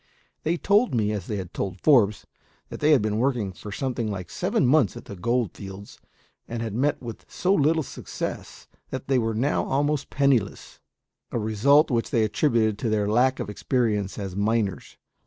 They told me, as they had told Forbes, that they had been working for something like seven months at the gold fields, and had met with so little success that they were now almost penniless, a result which they attributed to their lack of experience as miners.